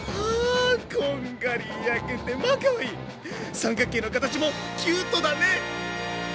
三角形の形もキュートだね！